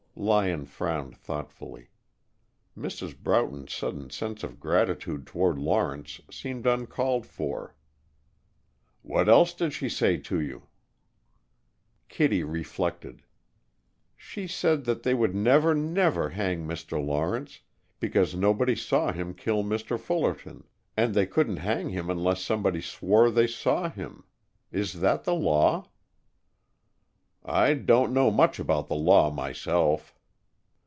Lyon frowned thoughtfully. Mrs. Broughton's sudden sense of gratitude toward Lawrence seemed uncalled for. "What else did she say to you?" Kittie reflected. "She said that they would never, never hang Mr. Lawrence, because nobody saw him kill Mr. Fullerton, and they couldn't hang him unless somebody swore they saw him. Is that the law?" "I don't know much about the law, myself."